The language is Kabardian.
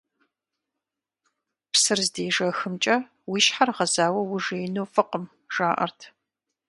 Псыр здежэхымкӀэ уи щхьэр гъэзауэ ужеину фӀыкъым, жаӀэрт.